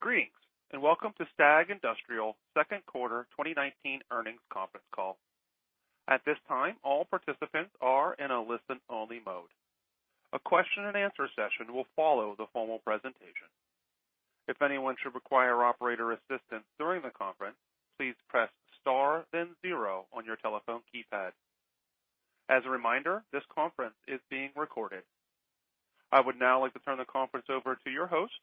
Greetings, and welcome to STAG Industrial second quarter 2019 earnings conference call. At this time, all participants are in a listen-only mode. A question and answer session will follow the formal presentation. If anyone should require operator assistance during the conference, please press star then zero on your telephone keypad. As a reminder, this conference is being recorded. I would now like to turn the conference over to your host,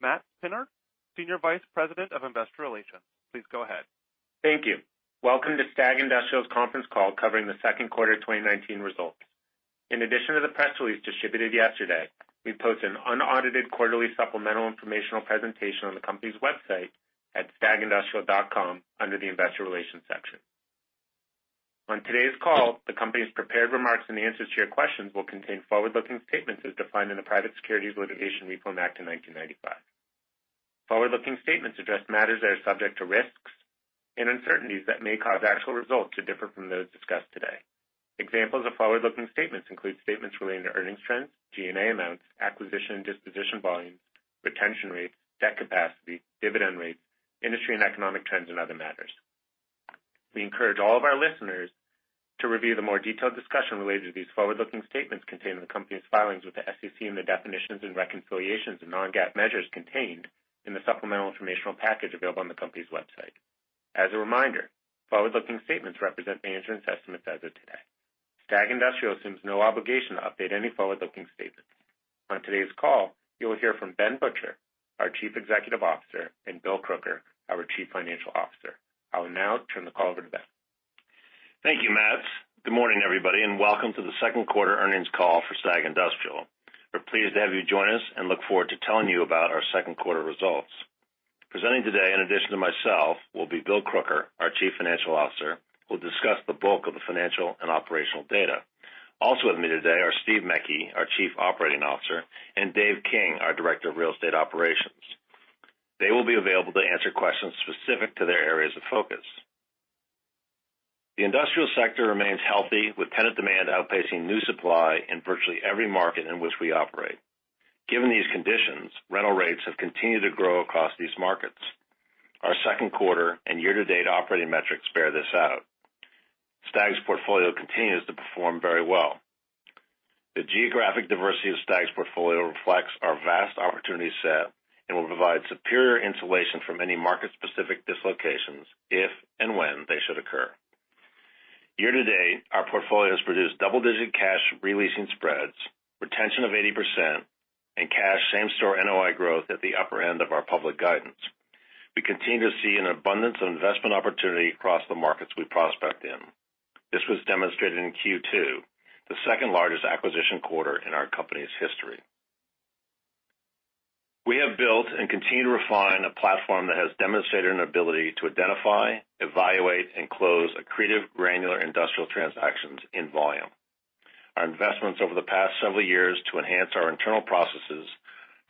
Matts Pinard, Senior Vice President of Investor Relations. Please go ahead. Thank you. Welcome to STAG Industrial's conference call covering the second quarter 2019 results. In addition to the press release distributed yesterday, we posted an unaudited quarterly supplemental informational presentation on the company's website at stagindustrial.com under the investor relations section. On today's call, the company's prepared remarks and the answers to your questions will contain forward-looking statements as defined in the Private Securities Litigation Reform Act of 1995. Forward-looking statements address matters that are subject to risks and uncertainties that may cause actual results to differ from those discussed today. Examples of forward-looking statements include statements relating to earnings trends, G&A amounts, acquisition and disposition volumes, retention rates, debt capacity, dividend rates, industry and economic trends, and other matters. We encourage all of our listeners to review the more detailed discussion related to these forward-looking statements contained in the company's filings with the SEC and the definitions and reconciliations of non-GAAP measures contained in the supplemental informational package available on the company's website. As a reminder, forward-looking statements represent management's estimates as of today. STAG Industrial assumes no obligation to update any forward-looking statements. On today's call, you will hear from Ben Butcher, our Chief Executive Officer, and Bill Crooker, our Chief Financial Officer. I will now turn the call over to Ben. Thank you, Matts. Good morning, everybody. Welcome to the second quarter earnings call for STAG Industrial. We're pleased to have you join us and look forward to telling you about our second quarter results. Presenting today, in addition to myself, will be Bill Crooker, our Chief Financial Officer, who will discuss the bulk of the financial and operational data. Also with me today are Steve Mecke, our Chief Operating Officer, and Dave King, our Director of Real Estate Operations. They will be available to answer questions specific to their areas of focus. The industrial sector remains healthy with tenant demand outpacing new supply in virtually every market in which we operate. Given these conditions, rental rates have continued to grow across these markets. Our second quarter and year-to-date operating metrics bear this out. STAG's portfolio continues to perform very well. The geographic diversity of STAG's portfolio reflects our vast opportunity set and will provide superior insulation from any market-specific dislocations if and when they should occur. Year to date, our portfolio has produced double-digit cash re-leasing spreads, retention of 80%, and cash same-store NOI growth at the upper end of our public guidance. We continue to see an abundance of investment opportunity across the markets we prospect in. This was demonstrated in Q2, the second largest acquisition quarter in our company's history. We have built and continue to refine a platform that has demonstrated an ability to identify, evaluate, and close accretive granular industrial transactions in volume. Our investments over the past several years to enhance our internal processes,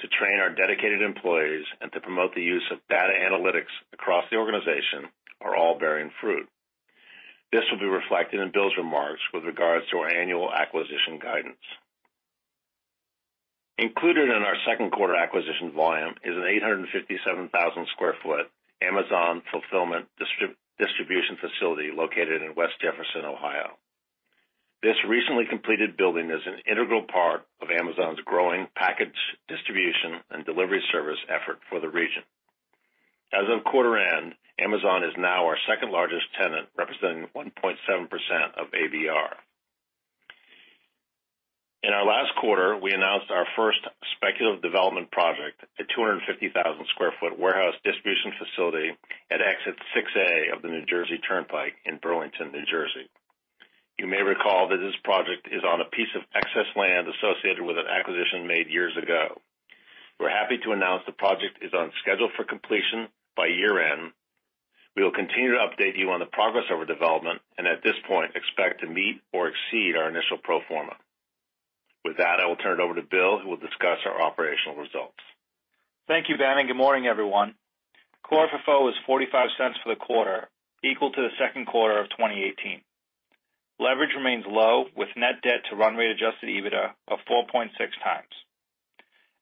to train our dedicated employees, and to promote the use of data analytics across the organization are all bearing fruit. This will be reflected in Bill's remarks with regards to our annual acquisition guidance. Included in our second quarter acquisition volume is an 857,000 square foot Amazon fulfillment distribution facility located in West Jefferson, Ohio. This recently completed building is an integral part of Amazon's growing package distribution and delivery service effort for the region. As of quarter end, Amazon is now our second largest tenant, representing 1.7% of ABR. In our last quarter, we announced our first speculative development project, a 250,000 square foot warehouse distribution facility at Exit 6A of the New Jersey Turnpike in Burlington, New Jersey. You may recall that this project is on a piece of excess land associated with an acquisition made years ago. We're happy to announce the project is on schedule for completion by year end. We will continue to update you on the progress of our development and at this point, expect to meet or exceed our initial pro forma. With that, I will turn it over to Bill who will discuss our operational results. Thank you, Ben, good morning, everyone. core FFO was $0.45 for the quarter, equal to the second quarter of 2018. Leverage remains low with net debt to run rate adjusted EBITDA of 4.6 times.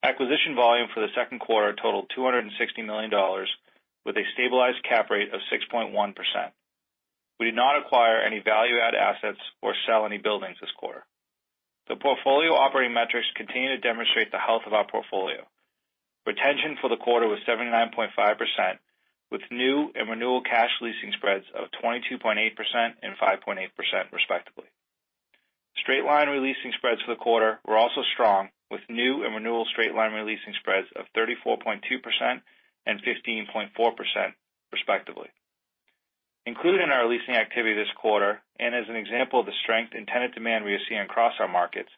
Acquisition volume for the second quarter totaled $260 million with a stabilized cap rate of 6.1%. We did not acquire any value-add assets or sell any buildings this quarter. The portfolio operating metrics continue to demonstrate the health of our portfolio. Retention for the quarter was 79.5% with new and renewal cash leasing spreads of 22.8% and 5.8% respectively. Straight-line releasing spreads for the quarter were also strong with new and renewal straight-line releasing spreads of 34.2% and 15.4% respectively. Included in our leasing activity this quarter, and as an example of the strength in tenant demand we are seeing across our markets,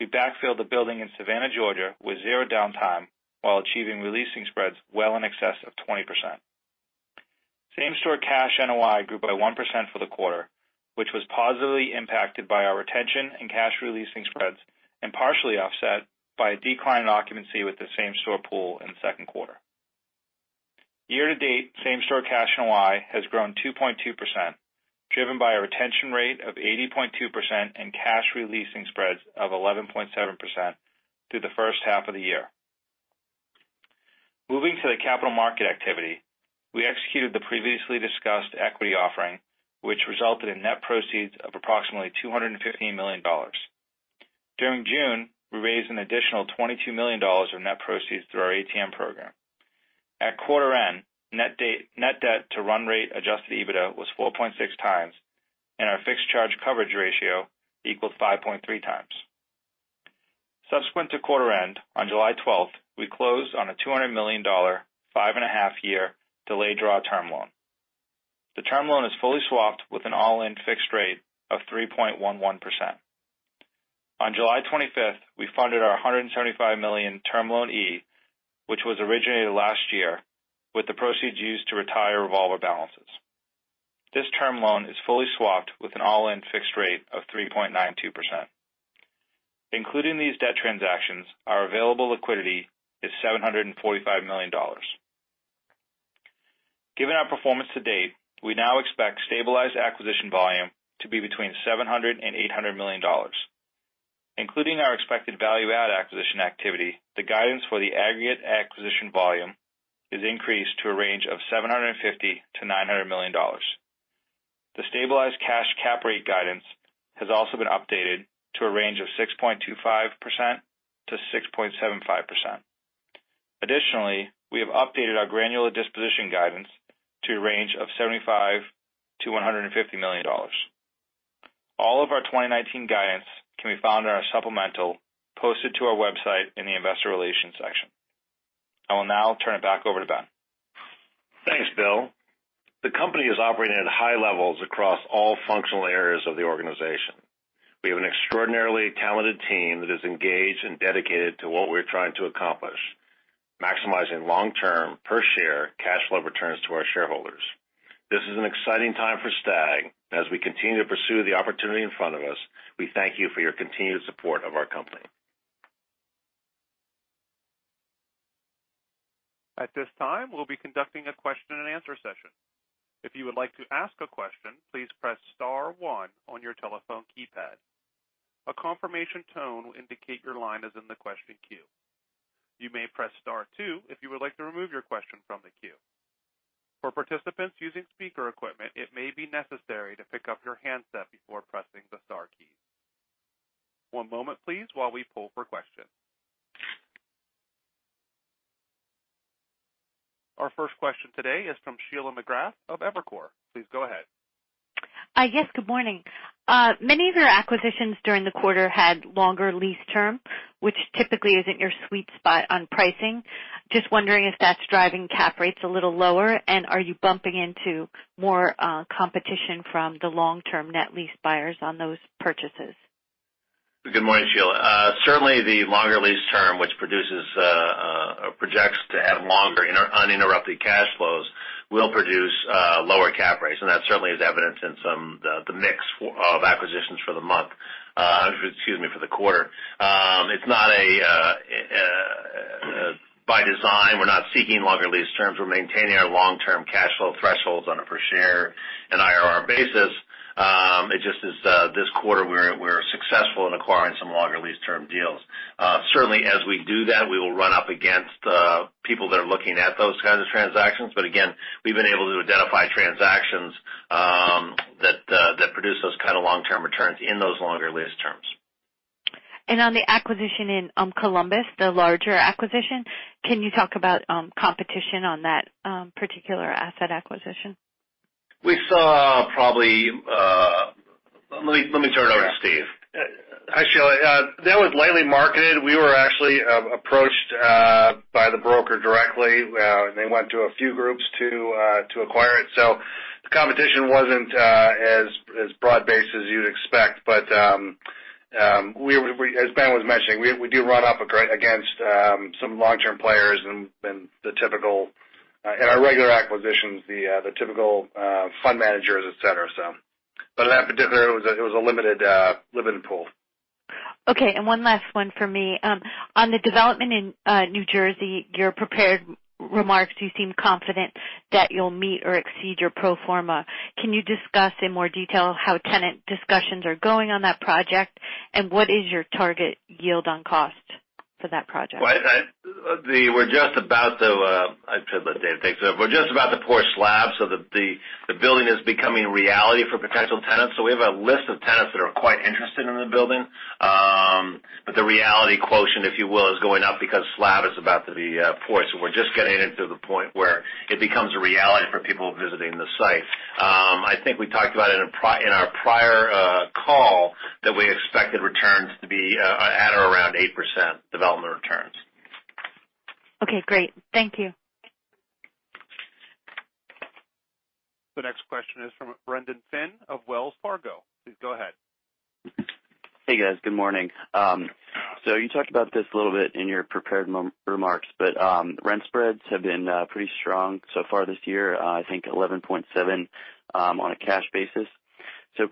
we backfilled a building in Savannah, Georgia with zero downtime while achieving releasing spreads well in excess of 20%. Same-store cash NOI grew by 1% for the quarter, which was positively impacted by our retention and cash releasing spreads and partially offset by a decline in occupancy with the same-store pool in the second quarter. Year-to-date, same-store cash NOI has grown 2.2%, driven by a retention rate of 80.2% and cash re-leasing spreads of 11.7% through the first half of the year. Moving to the capital market activity, we executed the previously discussed equity offering, which resulted in net proceeds of approximately $215 million. During June, we raised an additional $22 million of net proceeds through our ATM program. At quarter end, net debt to run rate adjusted EBITDA was 4.6 times, and our fixed charge coverage ratio equals 5.3 times. Subsequent to quarter end, on July 12th, we closed on a $200 million, five-and-a-half year delayed draw term loan. The term loan is fully swapped with an all-in fixed rate of 3.11%. On July 25th, we funded our $175 million term loan E, which was originated last year, with the proceeds used to retire revolver balances. This term loan is fully swapped with an all-in fixed rate of 3.92%. Including these debt transactions, our available liquidity is $745 million. Given our performance to date, we now expect stabilized acquisition volume to be between $700 and $800 million. Including our expected value-add acquisition activity, the guidance for the aggregate acquisition volume is increased to a range of $750 million to $900 million. The stabilized cash cap rate guidance has also been updated to a range of 6.25% to 6.75%. Additionally, we have updated our granular disposition guidance to a range of $75 million to $150 million. All of our 2019 guidance can be found in our supplemental posted to our website in the investor relations section. I will now turn it back over to Ben. Thanks, Bill. The company is operating at high levels across all functional areas of the organization. We have an extraordinarily talented team that is engaged and dedicated to what we're trying to accomplish, maximizing long-term per-share cash flow returns to our shareholders. This is an exciting time for STAG. As we continue to pursue the opportunity in front of us, we thank you for your continued support of our company. At this time, we'll be conducting a question and answer session. If you would like to ask a question, please press star one on your telephone keypad. A confirmation tone will indicate your line is in the question queue. You may press star two if you would like to remove your question from the queue. For participants using speaker equipment, it may be necessary to pick up your handset before pressing the star key. One moment please, while we poll for questions. Our first question today is from Sheila McGrath of Evercore. Please go ahead. Yes, good morning. Many of your acquisitions during the quarter had longer lease term, which typically isn't your sweet spot on pricing. Just wondering if that's driving cap rates a little lower, are you bumping into more competition from the long-term net lease buyers on those purchases? Good morning, Sheila. Certainly, the longer lease term, which projects to have longer uninterrupted cash flows, will produce lower cap rates, and that certainly is evident in the mix of acquisitions for the month. Excuse me, for the quarter. By design, we're not seeking longer lease terms. We're maintaining our long-term cash flow thresholds on a per share and IRR basis. It just is this quarter we're successful in acquiring some longer lease term deals. Certainly, as we do that, we will run up against people that are looking at those kinds of transactions. Again, we've been able to identify transactions that produce those kind of long-term returns in those longer lease terms. On the acquisition in Columbus, the larger acquisition, can you talk about competition on that particular asset acquisition? Let me turn it over to Steve. Hi, Sheila. That was lightly marketed. We were actually approached by the broker directly. They went to a few groups to acquire it. The competition wasn't as broad-based as you'd expect. As Ben was mentioning, we do run up against some long-term players in our regular acquisitions, the typical fund managers, et cetera. In that particular, it was a limited pool. Okay, one last one for me. On the development in New Jersey, your prepared remarks, you seem confident that you'll meet or exceed your pro forma. Can you discuss in more detail how tenant discussions are going on that project? What is your target yield on cost for that project? I should let Dave take this. We're just about to pour slab, the building is becoming reality for potential tenants. We have a list of tenants that are quite interested in the building. The reality quotient, if you will, is going up because slab is about to be poured. We're just getting it to the point where it becomes a reality for people visiting the site. I think we talked about it in our prior call that we expected returns to be at or around 8% development returns. Okay, great. Thank you. The next question is from Brendan Finn of Wells Fargo. Please go ahead. Hey, guys. Good morning. You talked about this a little bit in your prepared remarks, but rent spreads have been pretty strong so far this year, I think 11.7% on a cash basis.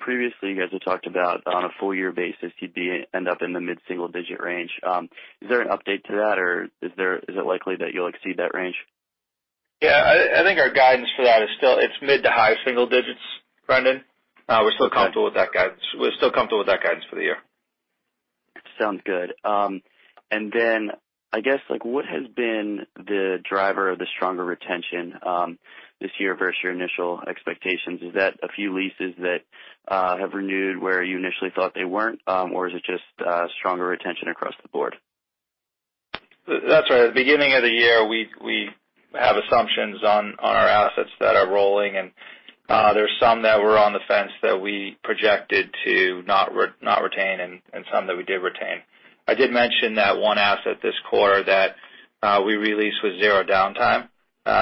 Previously, you guys had talked about on a full year basis, you'd end up in the mid-single-digit range. Is there an update to that, or is it likely that you'll exceed that range? Yeah. I think our guidance for that is still mid to high single digits, Brendan. We're still comfortable with that guidance for the year. Sounds good. I guess, what has been the driver of the stronger retention this year versus your initial expectations? Is that a few leases that have renewed where you initially thought they weren't? Is it just stronger retention across the board? That's right. At the beginning of the year, we have assumptions on our assets that are rolling, and there's some that were on the fence that we projected to not retain and some that we did retain. I did mention that one asset this quarter that we re-leased with zero downtime.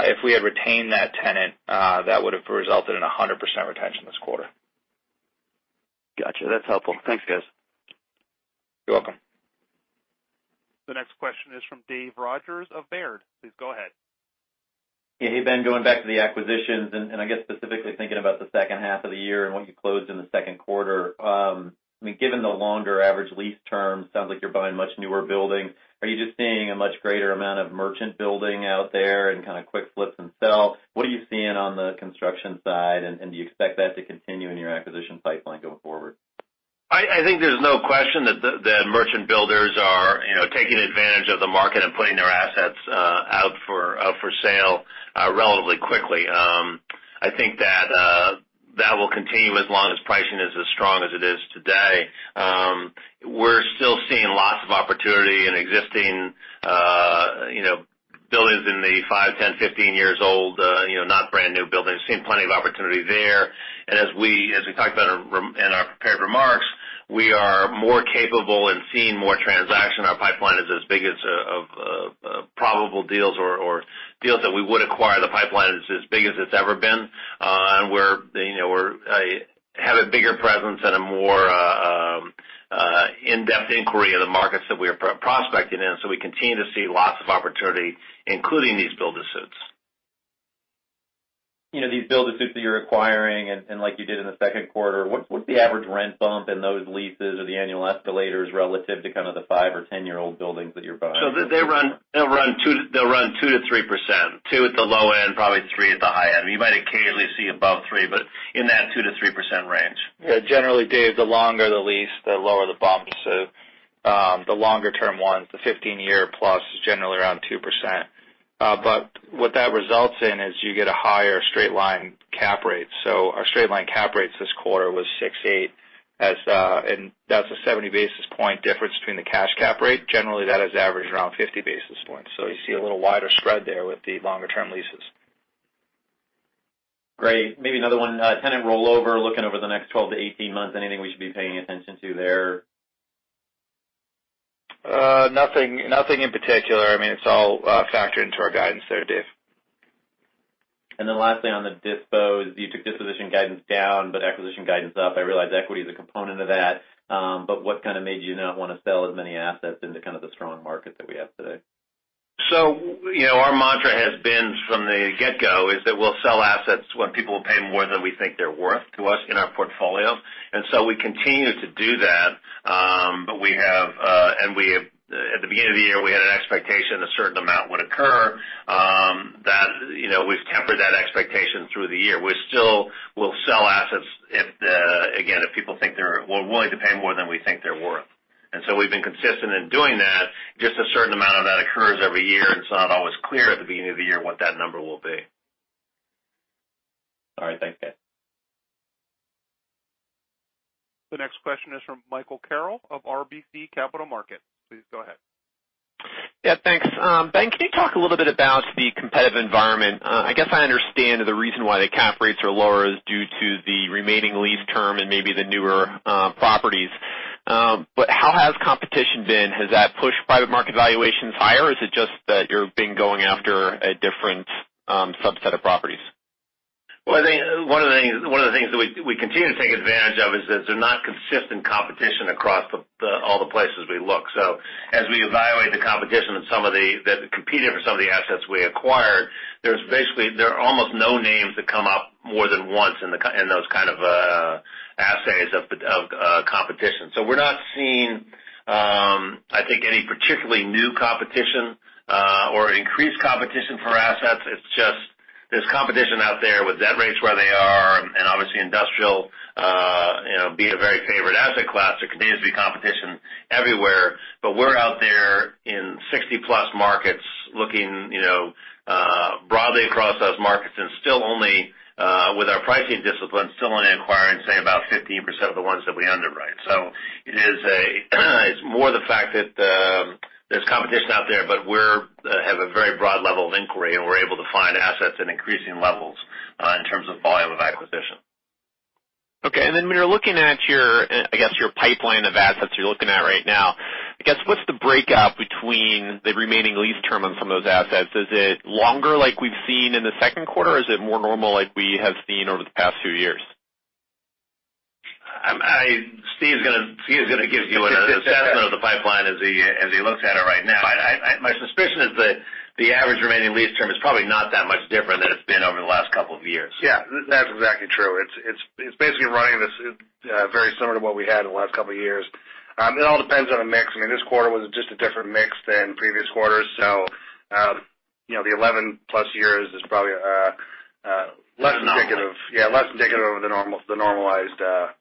If we had retained that tenant, that would've resulted in 100% retention this quarter. Got you. That's helpful. Thanks, guys. You're welcome. The next question is from Dave Rodgers of Baird. Please go ahead. Yeah. Hey, Ben, going back to the acquisitions and I guess specifically thinking about the second half of the year and what you closed in the second quarter. Given the longer average lease terms, sounds like you're buying much newer buildings. Are you just seeing a much greater amount of merchant building out there and kind of quick flips and sells? What are you seeing on the construction side, and do you expect that to continue in your acquisition pipeline going forward? I think there's no question that merchant builders are taking advantage of the market and putting their assets out for sale relatively quickly. I think that will continue as long as pricing is as strong as it is today. We're still seeing lots of opportunity in existing buildings in the 5, 10, 15 years old, not brand-new buildings. Seeing plenty of opportunity there. As we talked about in our prepared remarks, we are more capable and seeing more transaction. Our pipeline is as big as probable deals or deals that we would acquire. The pipeline is as big as it's ever been. We have a bigger presence and a more in-depth inquiry in the markets that we are prospecting in. We continue to see lots of opportunity, including these build-to-suits. These build-to-suits that you're acquiring and like you did in the second quarter, what's the average rent bump in those leases or the annual escalators relative to kind of the five- or 10-year-old buildings that you're buying? They'll run 2%-3%. Two at the low end, probably three at the high end. You might occasionally see above three, but in that 2%-3% range. Yeah. Generally, Dave, the longer the lease, the lower the bump. The longer-term ones, the 15-year-plus, is generally around 2%. What that results in is you get a higher straight line cap rate. Our straight line cap rates this quarter was 6.8. That's a 70-basis-point difference between the cash cap rate. Generally, that has averaged around 50 basis points. You see a little wider spread there with the longer-term leases. Great. Maybe another one. Tenant rollover, looking over the next 12-18 months, anything we should be paying attention to there? Nothing in particular. It's all factored into our guidance there, Dave. Lastly, on the dispos. You took disposition guidance down, but acquisition guidance up. I realize equity is a component of that. What kind of made you not want to sell as many assets into kind of the strong market that we have today? Our mantra has been from the get-go, is that we'll sell assets when people will pay more than we think they're worth to us in our portfolio. We continue to do that. At the beginning of the year, we had an expectation a certain amount would occur. We've tempered that expectation through the year. We still will sell assets, again, if people are willing to pay more than we think they're worth. We've been consistent in doing that, just a certain amount of that occurs every year, and it's not always clear at the beginning of the year what that number will be. All right. Thanks, guys. The next question is from Michael Carroll of RBC Capital Markets. Please go ahead. Yeah, thanks. Ben, can you talk a little bit about the competitive environment? I guess I understand the reason why the cap rates are lower is due to the remaining lease term and maybe the newer properties. How has competition been? Has that pushed private market valuations higher, or is it just that you're being going after a different subset of properties? I think one of the things that we continue to take advantage of is that they're not consistent competition across all the places we look. As we evaluate the competition that competed for some of the assets we acquired, there are almost no names that come up more than once in those kind of assays of competition. We're not seeing, I think, any particularly new competition, or increased competition for assets. It's just there's competition out there with debt rates where they are, and obviously industrial being a very favored asset class, there continues to be competition everywhere. We're out there in 60-plus markets looking broadly across those markets and still only, with our pricing discipline, still only acquiring, say, about 15% of the ones that we underwrite. It's more the fact that there's competition out there, but we have a very broad level of inquiry, and we're able to find assets at increasing levels in terms of volume of acquisition. Okay. Then when you're looking at your pipeline of assets you're looking at right now, I guess, what's the breakout between the remaining lease term on some of those assets? Is it longer like we've seen in the second quarter, or is it more normal like we have seen over the past few years? Steve's going to give you an assessment of the pipeline as he looks at it right now. My suspicion is that the average remaining lease term is probably not that much different than it's been over the last couple of years. Yeah. That's exactly true. It's basically running very similar to what we had in the last couple of years. It all depends on the mix. This quarter was just a different mix than previous quarters. The 11-plus years is probably less indicative. The normal. Yeah, less indicative of the normalized lease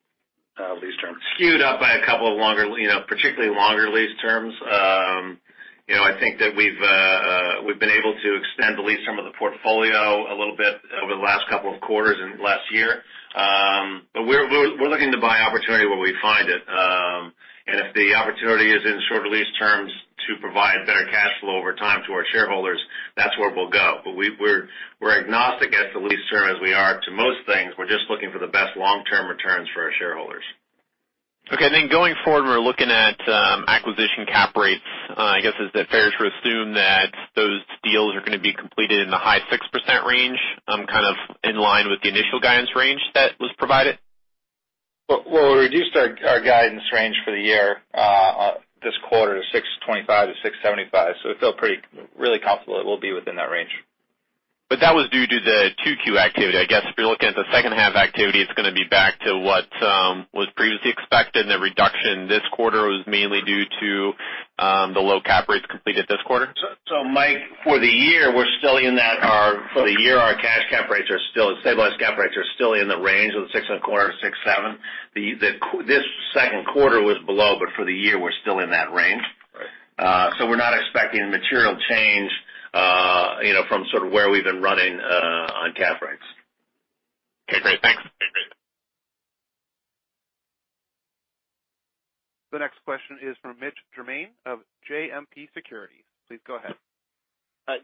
terms. Skewed up by a couple of particularly longer lease terms. I think that we've been able to extend the lease term of the portfolio a little bit over the last couple of quarters and last year. We're looking to buy opportunity where we find it. If the opportunity is in shorter lease terms to provide better cash flow over time to our shareholders, that's where we'll go. We're agnostic as to lease term, as we are to most things. We're just looking for the best long-term returns for our shareholders. Okay. Going forward, when we're looking at acquisition cap rates, I guess, is it fair to assume that those deals are going to be completed in the high 6% range, kind of in line with the initial guidance range that was provided? Well, we reduced our guidance range for the year this quarter to $6.25-$6.75. We feel really comfortable it will be within that range. That was due to the 2Q activity. I guess, if you're looking at the second half activity, it's going to be back to what was previously expected, and the reduction this quarter was mainly due to the low cap rates completed this quarter? Mike, for the year, our stabilized cap rates are still in the range of 6.25%-6.7%. This second quarter was below, for the year, we're still in that range. Right. We're not expecting material change from sort of where we've been running on cap rates. Okay, great. Thanks. Great. The next question is from Mitch Germain of JMP Securities. Please go ahead.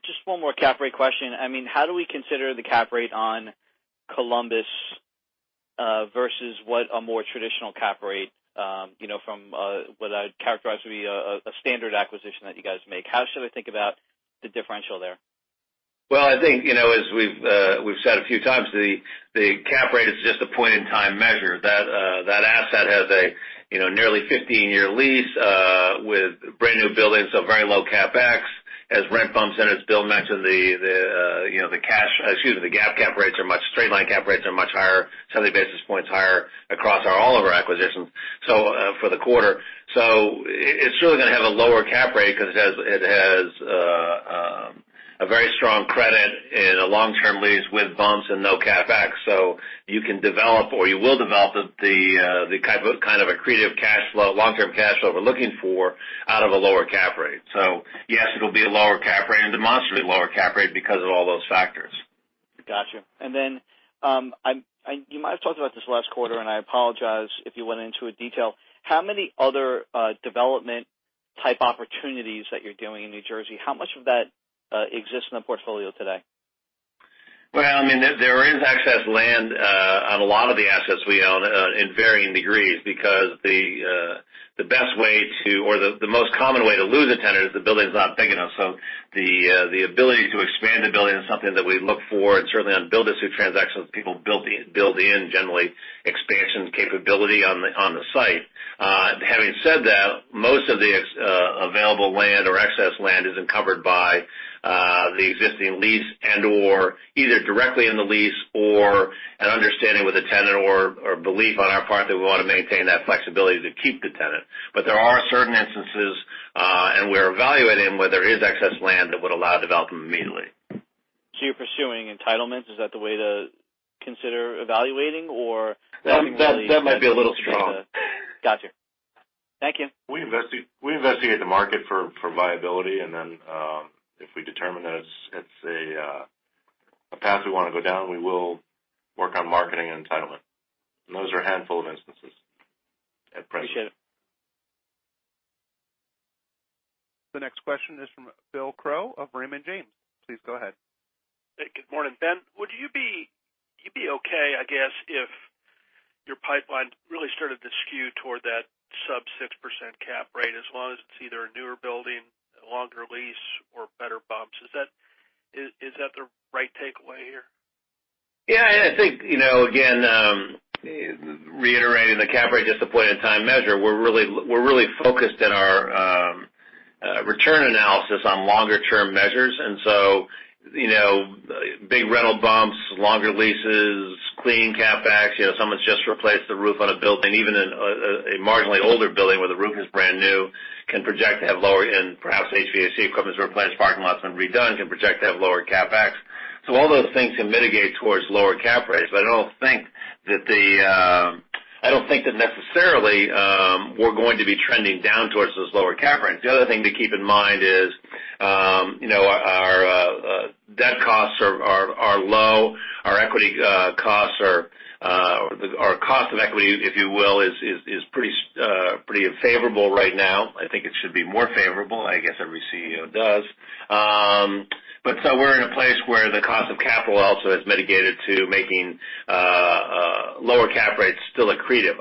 Just one more cap rate question. How do we consider the cap rate on Columbus versus what a more traditional cap rate from what I would characterize would be a standard acquisition that you guys make? How should I think about the differential there? Well, I think, as we've said a few times, the cap rate is just a point-in-time measure. That asset has a nearly 15-year lease with brand-new buildings, so very low CapEx. As rent bumps enter, Bill mentioned the GAAP cap rates, straight-line cap rates are much higher, 70 basis points higher across all of our acquisitions for the quarter. It's really going to have a lower cap rate because it has a very strong credit and a long-term lease with bumps and no CapEx. You can develop, or you will develop the kind of accretive long-term cash flow we're looking for out of a lower cap rate. Yes, it'll be a lower cap rate and demonstrably lower cap rate because of all those factors. Got you. You might have talked about this last quarter, and I apologize if you went into it detail. How many other development-type opportunities that you're doing in New Jersey, how much of that exists in the portfolio today? Well, there is excess land on a lot of the assets we own in varying degrees because the best way to, or the most common way to lose a tenant is the building's not big enough. The ability to expand the building is something that we look for. Certainly, on build-to-suit transactions, people build in, generally, expansion capability on the site. Having said that, most of the available land or excess land is encumbered by the existing lease and/or either directly in the lease or an understanding with the tenant or belief on our part that we want to maintain that flexibility to keep the tenant. There are certain instances, and we're evaluating where there is excess land that would allow development immediately. You're pursuing entitlements. Is that the way to consider evaluating? That might be a little strong. Got you. Thank you. We investigate the market for viability, and then if we determine that it's a path we want to go down, we will work on marketing and entitlement. Those are a handful of instances at present. Appreciate it. The next question is from Bill Crow of Raymond James. Please go ahead. Good morning. Ben, would you be okay, I guess, if your pipeline really started to skew toward that sub 6% cap rate as long as it's either a newer building, a longer lease, or better bumps? Is that the right takeaway here? Yeah. I think, again, reiterating the cap rate, just a point-in-time measure. We're really focused in our return analysis on longer-term measures. Big rental bumps, longer leases, clean CapEx. Someone's just replaced the roof on a building. Even in a marginally older building where the roof is brand new, can project to have lower in, perhaps, HVAC equipment's been replaced, parking lot's been redone, can project to have lower CapEx. All those things can mitigate towards lower cap rates. I don't think that necessarily we're going to be trending down towards those lower cap rates. The other thing to keep in mind is our debt costs are low. Our cost of equity, if you will, is pretty favorable right now. I think it should be more favorable. I guess every CEO does. We're in a place where the cost of capital also has mitigated to making lower cap rates still accretive.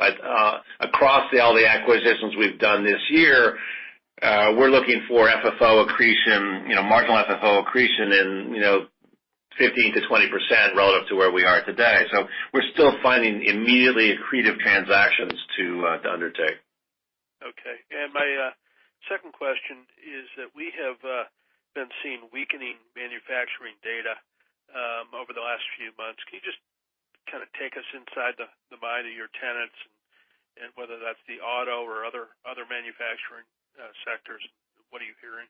Across all the acquisitions we've done this year, we're looking for marginal FFO accretion in 15%-20% relative to where we are today. We're still finding immediately accretive transactions to undertake. Okay. My second question is that we have been seeing weakening manufacturing data over the last few months. Can you just kind of take us inside the mind of your tenants and whether that's the auto or other manufacturing sectors, what are you hearing?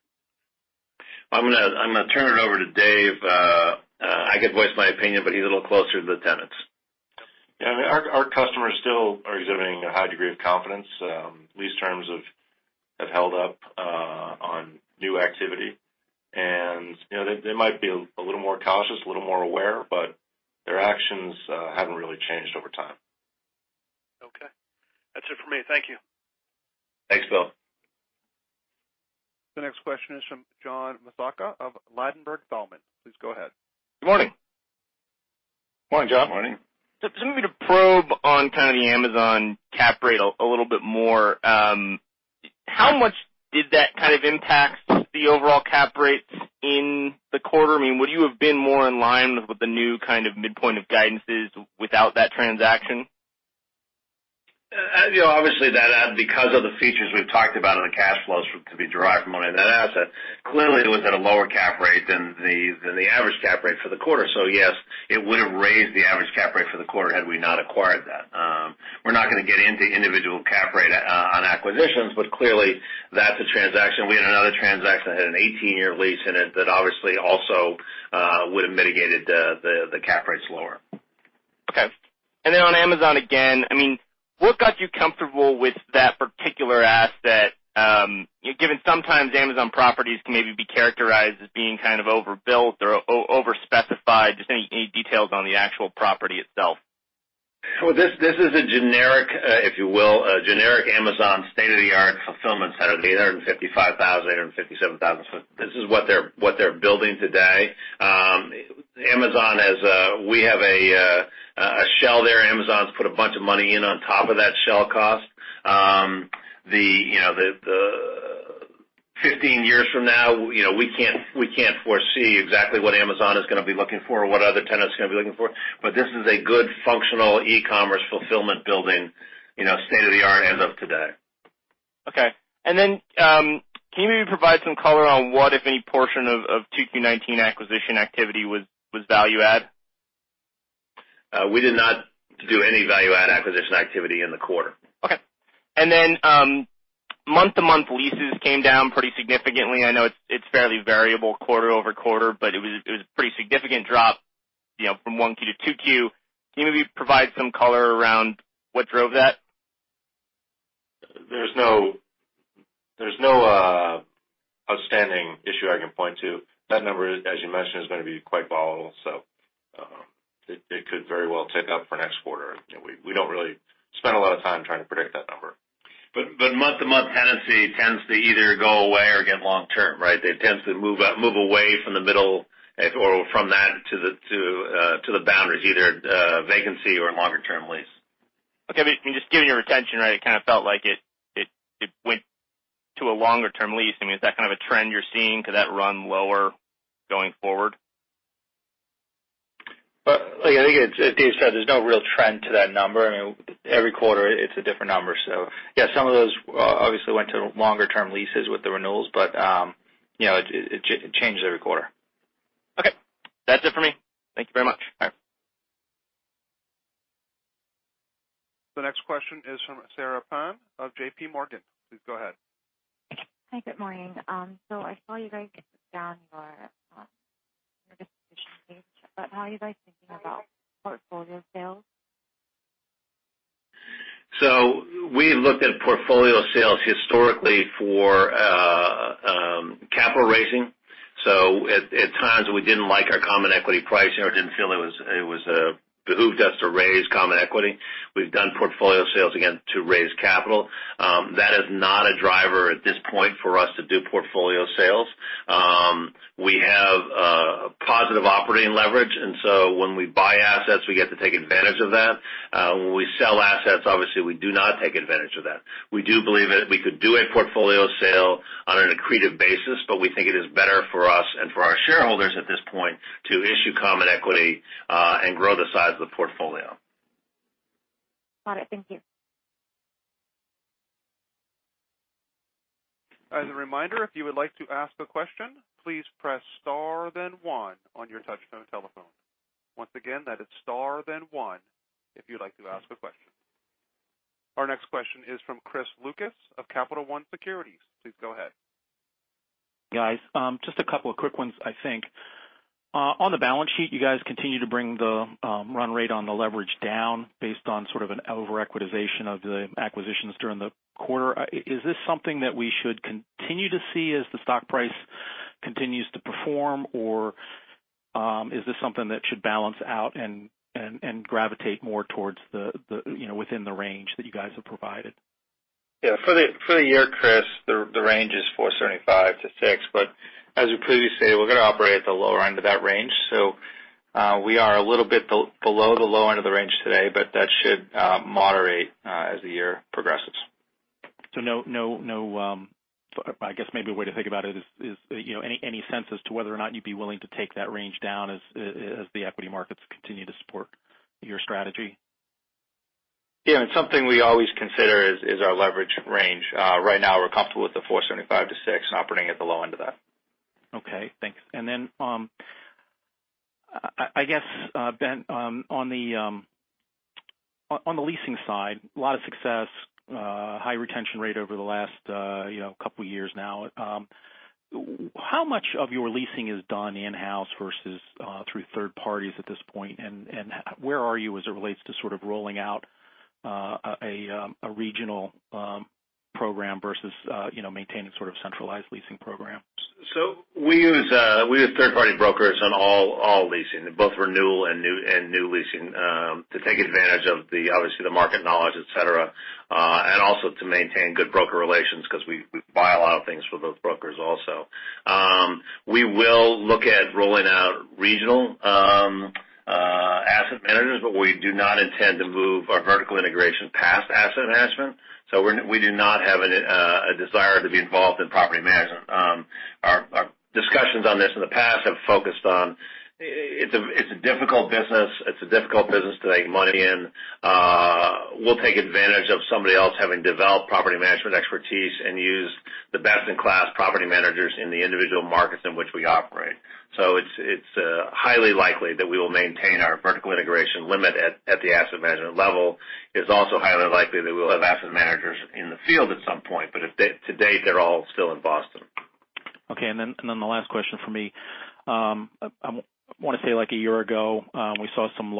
I'm going to turn it over to Dave. I could voice my opinion, but he's a little closer to the tenants. Yeah. Our customers still are exhibiting a high degree of confidence. Lease terms have held up on new activity. They might be a little more cautious, a little more aware, but their actions haven't really changed over time. Okay. That's it for me. Thank you. Thanks, Bill. The next question is from John Massocca of Ladenburg Thalmann. Please go ahead. Good morning. Morning, John. Morning. Just want to probe on kind of the Amazon cap rate a little bit more. How much did that kind of impact the overall cap rates in the quarter? I mean, would you have been more in line with the new kind of midpoint of guidances without that transaction? Obviously, because of the features we've talked about and the cash flows to be derived from owning that asset, clearly it was at a lower cap rate than the average cap rate for the quarter. Yes, it would've raised the average cap rate for the quarter had we not acquired that. We're not going to get into individual cap rate on acquisitions, but clearly that's a transaction. We had another transaction that had an 18-year lease in it that obviously also would've mitigated the cap rates lower. Okay. On Amazon, again, I mean, what got you comfortable with that particular asset? Given sometimes Amazon properties can maybe be characterized as being kind of overbuilt or overspecified. Just any details on the actual property itself. Well, this is a generic, if you will, a generic Amazon state-of-the-art fulfillment center, be it 155,000 or 157,000 foot. This is what they're building today. We have a shell there. Amazon's put a bunch of money in on top of that shell cost. 15 years from now, we can't foresee exactly what Amazon is gonna be looking for or what other tenants are gonna be looking for. But this is a good functional e-commerce fulfillment building, state-of-the-art as of today. Can you maybe provide some color on what, if any, portion of 2Q 2019 acquisition activity was value-add? We did not do any value-add acquisition activity in the quarter. Okay. Month-to-month leases came down pretty significantly. I know it's fairly variable quarter-over-quarter, but it was a pretty significant drop from 1Q to 2Q. Can you maybe provide some color around what drove that? There's no outstanding issue I can point to. That number, as you mentioned, is going to be quite volatile, so it could very well tick up for next quarter. We don't really spend a lot of time trying to predict that number. Month-to-month tenancy tends to either go away or get long term, right? They tend to move away from the middle or from that to the boundaries, either vacancy or longer-term lease. Okay. Just given your retention rate, it kind of felt like it went to a longer-term lease. I mean, is that kind of a trend you're seeing? Could that run lower going forward? Look, I think as Dave said, there's no real trend to that number. I mean, every quarter it's a different number. Yeah, some of those obviously went to longer-term leases with the renewals, but it changes every quarter. Okay. That's it for me. Thank you very much. All right. The next question is from Sarah Pan of JP Morgan. Please go ahead. Hi. Good morning. I saw you guys down your distribution page, but how are you guys thinking about portfolio sales? We looked at portfolio sales historically for capital raising. At times we didn't like our common equity pricing or didn't feel it behooved us to raise common equity. We've done portfolio sales again to raise capital. That is not a driver at this point for us to do portfolio sales. We have a positive operating leverage, and so when we buy assets, we get to take advantage of that. When we sell assets, obviously, we do not take advantage of that. We do believe that we could do a portfolio sale on an accretive basis, but we think it is better for us and for our shareholders at this point to issue common equity, and grow the size of the portfolio. Got it. Thank you. As a reminder, if you would like to ask a question, please press star then one on your touchtone telephone. Once again, that is star then one if you'd like to ask a question. Our next question is from Chris Lucas of Capital One Securities. Please go ahead. Guys, just a couple of quick ones, I think. On the balance sheet, you guys continue to bring the run rate on the leverage down based on sort of an over-equitization of the acquisitions during the quarter. Is this something that we should continue to see as the stock price continues to perform, or is this something that should balance out and gravitate more towards within the range that you guys have provided? Yeah. For the year, Chris, the range is 475 to six. As we previously stated, we're gonna operate at the lower end of that range. We are a little bit below the low end of the range today, but that should moderate as the year progresses. No I guess maybe a way to think about it is, any sense as to whether or not you'd be willing to take that range down as the equity markets continue to support your strategy? Yeah. It's something we always consider is our leverage range. Right now, we're comfortable with the 475 to six and operating at the low end of that. Okay, thanks. I guess, Ben, on the leasing side, a lot of success, high retention rate over the last couple of years now. How much of your leasing is done in-house versus through third parties at this point, and where are you as it relates to rolling out a regional program versus maintaining centralized leasing programs? We use third-party brokers on all leasing, both renewal and new leasing, to take advantage of the, obviously, the market knowledge, et cetera, and also to maintain good broker relations because we buy a lot of things from those brokers also. We will look at rolling out regional asset managers, but we do not intend to move our vertical integration past asset management. We do not have a desire to be involved in property management. Our discussions on this in the past have focused on, it's a difficult business to make money in. We'll take advantage of somebody else having developed property management expertise and use the best-in-class property managers in the individual markets in which we operate. It's highly likely that we will maintain our vertical integration limit at the asset management level. It's also highly likely that we'll have asset managers in the field at some point, but to date, they're all still in Boston. Okay, the last question from me. I want to say, like a year ago, we saw some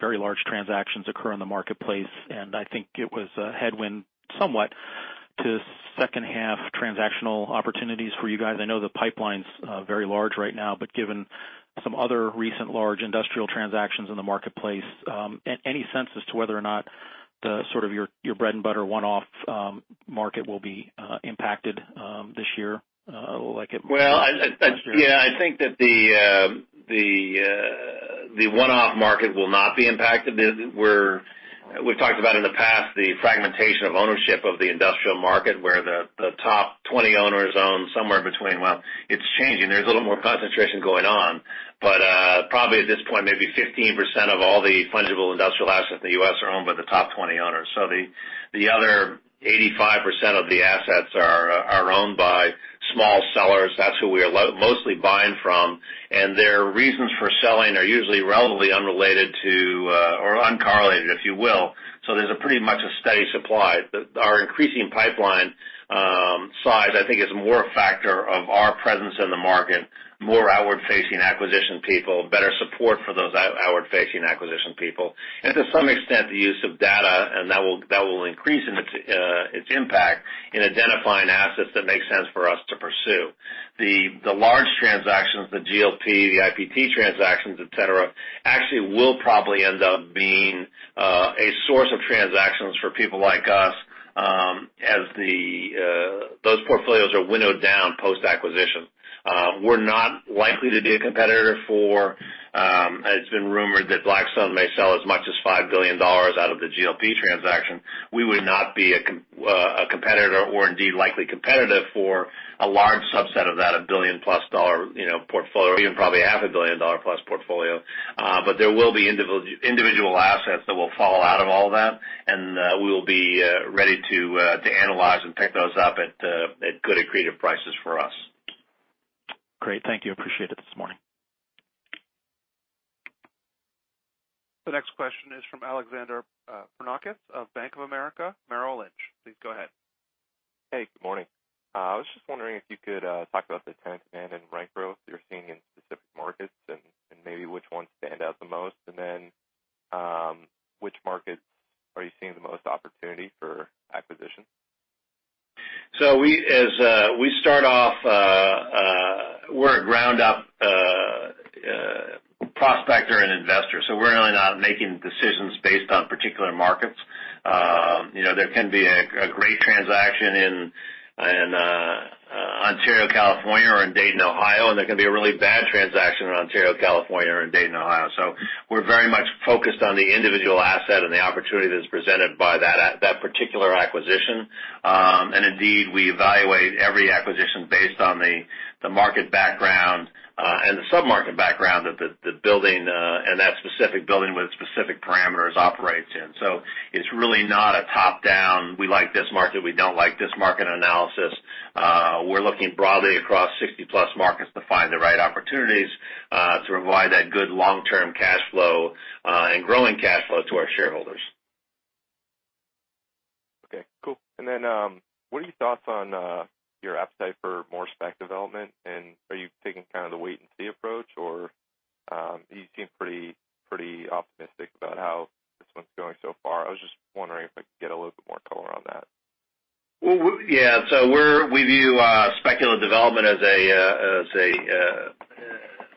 very large transactions occur in the marketplace. I think it was a headwind somewhat to second-half transactional opportunities for you guys. I know the pipeline's very large right now, given some other recent large industrial transactions in the marketplace, any sense as to whether or not your bread-and-butter one-off market will be impacted this year? Well, yeah, I think that the one-off market will not be impacted. We've talked about in the past the fragmentation of ownership of the industrial market, where the top 20 owners own somewhere between Well, it's changing. There's a little more concentration going on, but probably at this point, maybe 15% of all the fungible industrial assets in the U.S. are owned by the top 20 owners. The other 85% of the assets are owned by small sellers. That's who we are mostly buying from, and their reasons for selling are usually relatively unrelated to, or uncorrelated, if you will. There's a pretty much a steady supply. Our increasing pipeline size, I think, is more a factor of our presence in the market, more outward-facing acquisition people, better support for those outward-facing acquisition people, and to some extent, the use of data, and that will increase in its impact in identifying assets that make sense for us to pursue. The large transactions, the GLP, the IPT transactions, et cetera, actually will probably end up being a source of transactions for people like us, as those portfolios are winnowed down post-acquisition. We're not likely to be a competitor for It's been rumored that Blackstone may sell as much as $5 billion out of the GLP transaction. We would not be a competitor or indeed likely competitive for a large subset of that, a billion-plus-dollar portfolio, even probably a half-a-billion-dollar-plus portfolio. There will be individual assets that will fall out of all that, and we will be ready to analyze and pick those up at good, accretive prices for us. Great. Thank you. Appreciate it this morning. The next question is from Alexander Pernakis of Bank of America Merrill Lynch. Please go ahead. Hey, good morning. I was just wondering if you could talk about the tenant demand and rent growth you're seeing in specific markets, and maybe which ones stand out the most. Which markets are you seeing the most opportunity for acquisition? We start off, we're a ground-up prospector and investor. We're really not making decisions based on particular markets. There can be a great transaction in Ontario, California or in Dayton, Ohio, and there can be a really bad transaction in Ontario, California or in Dayton, Ohio. We're very much focused on the individual asset and the opportunity that's presented by that particular acquisition. Indeed, we evaluate every acquisition based on the market background and the sub-market background of the building, and that specific building with specific parameters operates in. It's really not a top-down, we like this market, we don't like this market analysis. We're looking broadly across 60-plus markets to find the right opportunities, to provide that good long-term cash flow, and growing cash flow to our shareholders. Okay, cool. What are your thoughts on your appetite for more spec development? Are you taking kind of the wait-and-see approach, or you seem pretty optimistic about how this one's going so far? I was just wondering if I could get a little bit more color on that? Yeah. We view speculative development as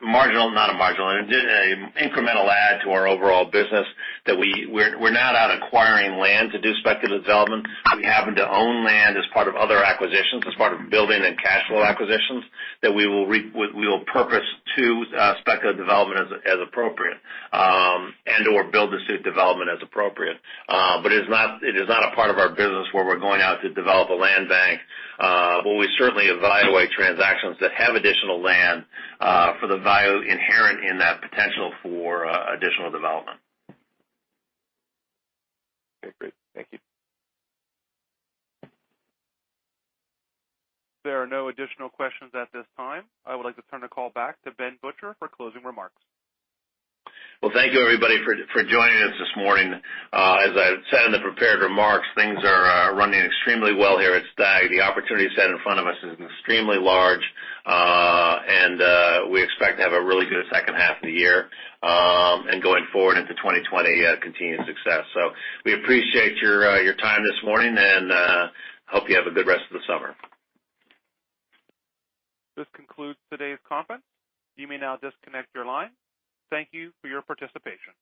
an incremental add to our overall business. We're not out acquiring land to do speculative development. We happen to own land as part of other acquisitions, as part of building and cash flow acquisitions, that we will purpose to speculative development as appropriate, and/or build-to-suit development as appropriate. It is not a part of our business where we're going out to develop a land bank. We certainly evaluate transactions that have additional land, for the value inherent in that potential for additional development. Okay, great. Thank you. There are no additional questions at this time. I would like to turn the call back to Ben Butcher for closing remarks. Well, thank you, everybody, for joining us this morning. As I said in the prepared remarks, things are running extremely well here at STAG. The opportunity set in front of us is extremely large, and we expect to have a really good second half of the year, and going forward into 2020, continued success. We appreciate your time this morning and hope you have a good rest of the summer. This concludes today's conference. You may now disconnect your line. Thank you for your participation.